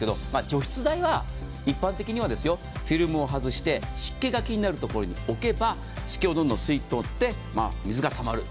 除湿剤は一般的にはフィルムを外して湿気が気になるところに置けば湿気をどんどん吸い取って水がたまる。